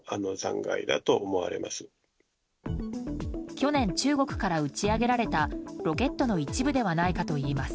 去年、中国から打ち上げられたロケットの一部ではないかといいます。